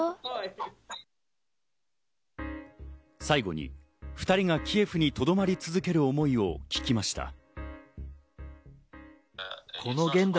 最後に２人がキエフにとどまり続ける思いを聞きました。